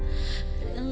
bagaimana caranya bersabar